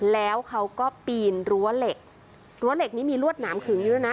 แล้วเขาก็ปีนรั้วเหล็กรั้วเหล็กนี้มีรวดหนามขึงอยู่ด้วยนะ